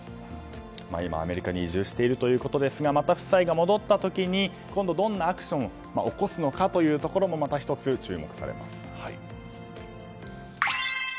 今、アメリカに移住しているということですがまた夫妻が戻った時にどんなアクションを起こすのかというところもまた１つ注目されます。